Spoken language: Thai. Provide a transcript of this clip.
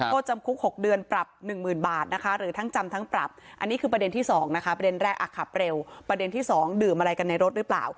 โทษจำคุก๖เดือนปรับ๑๐๐๐บาทนะคะหรือทั้งจำทั้งปรับอันนี้คือประเด็นที่๒นะคะประเด็นแรกขับเร็วประเด็นที่๒ดื่มอะไรกันในรถหรือเปล่า